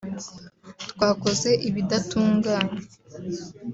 twakoze ibidatunganye